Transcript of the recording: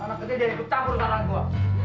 anak kecil dia ikut campur saran gue